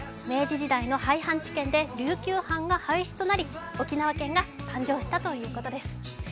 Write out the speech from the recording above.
明治時代の廃藩置県で琉球藩が廃止となり沖縄県が誕生したということです。